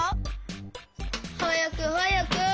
はやくはやく。